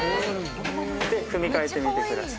で、踏み変えてみてください。